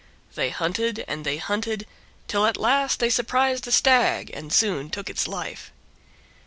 They hunted and they hunted till at last they surprised a Stag, and soon took its life.